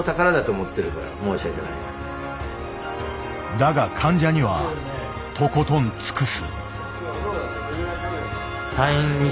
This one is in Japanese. だが患者にはとことん尽くす。